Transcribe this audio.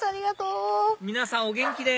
皆さんお元気で！